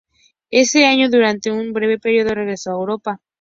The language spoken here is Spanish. Ese año, durante un breve período, regresó a Europa.